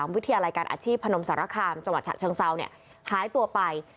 วิทยาลัยการอาชีพพนมสารคามจังหวัดฉะเชิงเซาหายตัวไป